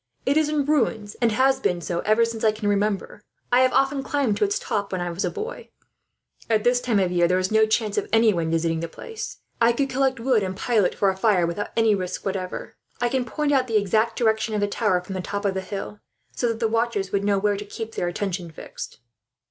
It is in ruins, and has been so ever since I can remember. I have often climbed to its top, when I was a boy. At this time of year, there is no chance of anyone visiting the place. I could collect wood and pile it, ready for a fire, without any risk whatever. I can point out the exact direction of the tower from the top of the hill, so that the watchers would know where to keep their attention fixed."